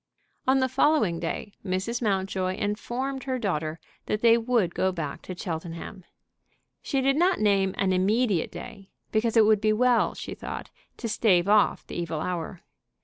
On the following day Mrs. Mountjoy informed her daughter that they would go back to Cheltenham. She did not name an immediate day, because it would be well, she thought, to stave off the evil hour.